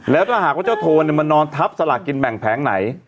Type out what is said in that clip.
แล้วถ้าหากว่าเจ้าโทนมานอนทับสลากกินแบ่งแผงไหน